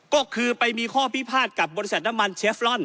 ก็คือไปมีข้อพิพาทกับบริษัทน้ำมันเชฟลอน